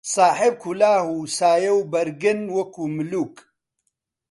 ساحێب کولاهـ و سایە و بەرگن وەکوو مولووک